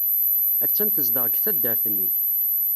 Attan tezdeɣ deg taddart-nni.